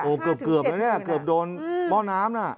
โอ้โหเกือบนะเนี่ยเกือบโดนเบาะน้ำน่ะ